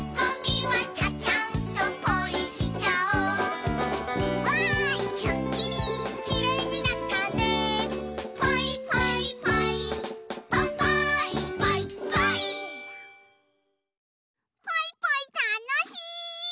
ポイポイたのしい！